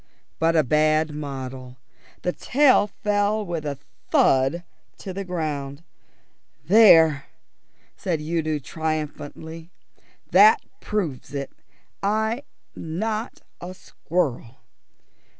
But a bad model. The tail fell with a thud to the ground. "There!" said Udo triumphantly. "That proves it. I'm not a squirrel."